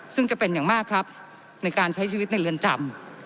ซึ่งจะเป็นอย่างมากครับในการใช้ชีวิตในเรือนจำ